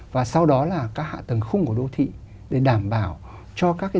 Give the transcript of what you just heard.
và sau đó là các hạ tầng khung của đô thị để đảm bảo cho các dự án